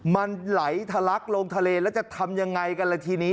มันไหลทะลักลงทะเลแล้วจะทำยังไงกันละทีนี้